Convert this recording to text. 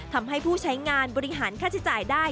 ทำให้ผู้ใช้งานบริหารค่าใช้จ่ายได้